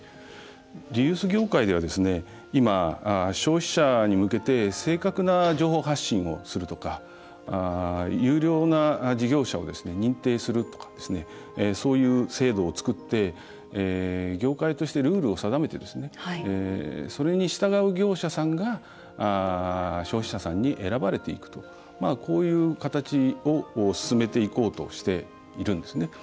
リユース業界では今、消費者に向けて正確な情報発信をするとか優良な事業者を認定するとかそういう制度を作って業界としてルールを定めてそれに従う業者さんが消費者さんに選ばれていくとこういう形を進めていこうとしているんですね。